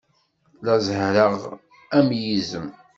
La zehhreɣ am yizem.